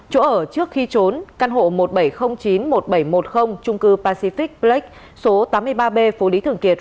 chỗ ở trước khi trốn căn hộ một bảy không chín một bảy một không trung cư pacific black số tám mươi ba b phố lý thường kiệt